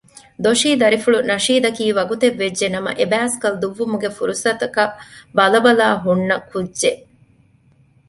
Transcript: ދޮށީ ދަރިފުޅު ނަޝީދަކީ ވަގުތެއްވެއްޖެ ނަމަ އެ ބައިސްކަލް ދުއްވުމުގެ ފުރުސަތަކަށް ބަލަބަލާ ހުންނަ ކުއްޖެއް